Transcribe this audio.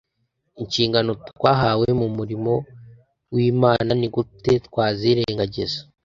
inshingano twahawe mu murimo w imana ni gute twazirengagiza